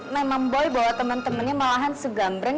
memang boy bawa teman temannya malahan segambring